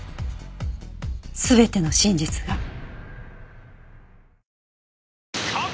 全ての真実が。